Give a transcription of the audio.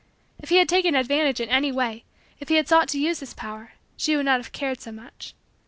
If he had taken advantage in any way, if he had sought to use his power, she would not have cared so much.